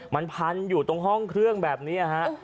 มันพันอยู่ตรงห้องเครื่องแบบนี้ฮะ